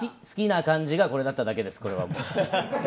好きな漢字がこれだっただけです。